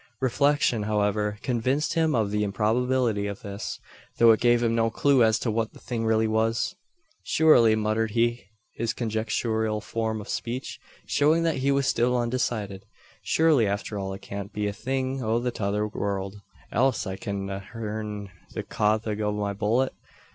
Reflection, however, convinced him of the improbability of this; though it gave him no clue as to what the thing really was. "Shurly," muttered he, his conjectural form of speech showing that he was still undecided, "Shurly arter all it can't be a thing o' the tother world else I kedn't a heern the cothug o' my bullet?